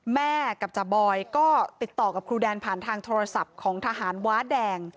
แม่กับจาบอยก็ติดต่อกับครูแดนผ่านทางโทรศัพท์ของทหารว้าแดง